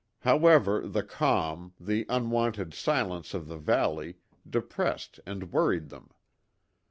However, the calm, the unwonted silence of the valley depressed and worried them.